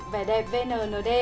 vè đẹp vnnd